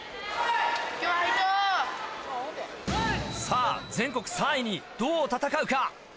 さぁ全国３位にどう戦うか。